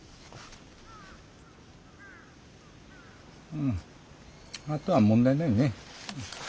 うんあとは問題ないね。